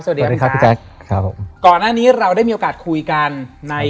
สวัสดีครับพี่แจ๊คครับผมก่อนหน้านี้เราได้มีโอกาสคุยกันใน